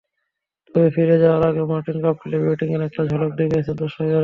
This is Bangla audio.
তবে ফিরে যাওয়ার আগে মার্টিন গাপটিলের ব্যাটিংয়ের একটা ঝলক দেখেছেন দর্শকেরা।